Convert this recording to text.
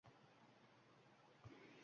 Onam sabrli ayol